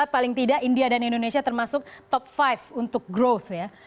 paling tidak india dan indonesia termasuk top lima untuk growth ya